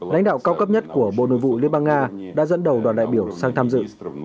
lãnh đạo cao cấp nhất của bộ nội vụ liên bang nga đã dẫn đầu đoàn đại biểu sang tham dự